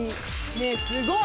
ねぇすごい！